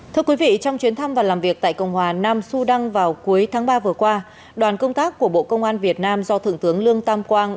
thưa quý vị trong chuyến thăm và làm việc tại cộng hòa nam sudan vào cuối tháng ba vừa qua đoàn công tác của bộ công an việt nam do thượng tướng lương tam quang